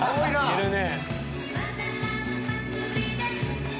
・いるね。